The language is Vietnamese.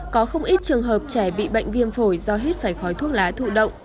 có không ít trường hợp trẻ bị bệnh viêm phổi do hít phải khói thuốc lá thụ động